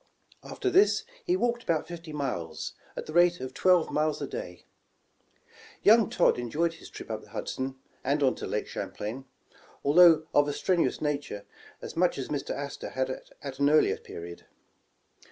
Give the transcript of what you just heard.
After this he walked about fifty miles, at the rate of twelve miles a day. Young Todd enjoyed his trip up the Hudson and on to Lake Champlain, although of a strenuous nature, as much as Mr. Astor had at an earlier period.